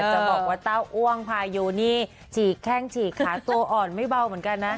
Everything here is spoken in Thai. จะบอกว่าเต้าอ้วงพายูนี่ฉีกแข้งฉีกขาตัวอ่อนไม่เบาเหมือนกันนะ